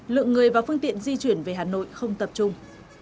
lượng người và phương tiện di chuyển về hà nội không tập trung